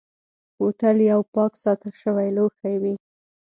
بوتل یو پاک ساتل شوی لوښی وي.